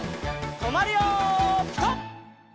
とまるよピタ！